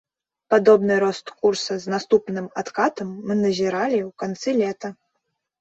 Падобны рост курса з наступным адкатам мы назіралі ў канцы лета.